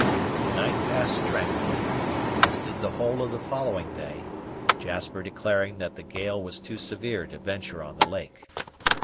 The night passed tranquilly, as did the whole of the following day, Jasper declaring that the gale was too severe to venture on the lake.